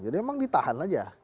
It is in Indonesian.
jadi memang ditahan aja